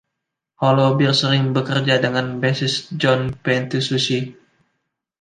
Holober sering bekerja dengan bassis John Patitucci.